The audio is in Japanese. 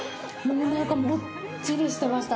なんかもっちりしてました。